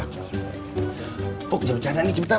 huk jangan bercanda nih cepetan